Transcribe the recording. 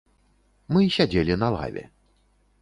Мы сядзелі на лаве.